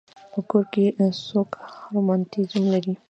په کور کې څوک رماتیزم لري.